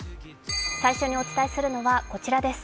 最初にお伝えするのはこちらです。